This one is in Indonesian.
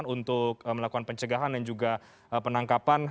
untuk melakukan pencegahan dan juga penangkapan